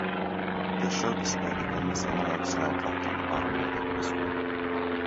The show displayed a famous analogue-style clock on the bottom-right of the screen.